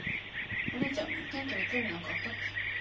お姉ちゃん天気に興味なんかあったっけ？